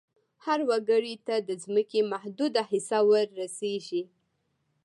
هر وګړي ته د ځمکې محدوده حصه ور رسیږي.